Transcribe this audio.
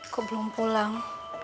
kok belum pulang